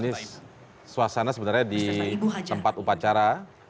ini suasana sebenarnya di tempat upacara